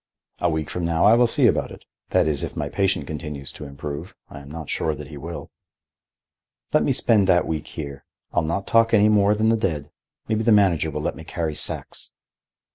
A week from now I will see about it—that is, if my patient continues to improve. I am not sure that he will." "Let me spend that week here. I'll not talk any more than the dead. Maybe the manager will let me carry sacks."